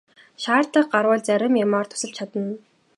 Шаардлага гарвал зарим юмаар тусалж чадна.